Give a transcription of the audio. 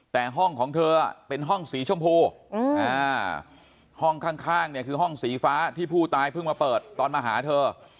แต่ห้องของเธอเป็นห้องสีชมพูห้องข้างเนี่ยคือห้องสีฟ้าที่ผู้ตายเพิ่งมาเปิดตอนมาหาเธอ